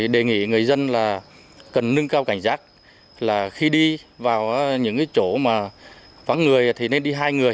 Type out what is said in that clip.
đề nghị người dân là cần nâng cao cảnh giác là khi đi vào những chỗ mà vắng người thì nên đi hai người